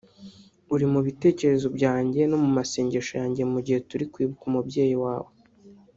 uri mu bitekerezo byanjye no mu masengesho yanjye mu gihe turi kwibuka umubyeyi wawe